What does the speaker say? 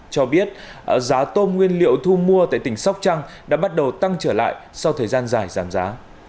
cho biết giá tôm nguyên liệu thu mua tại tỉnh sóc trăng đã bắt đầu tăng trở lại sau thời gian dài giảm giá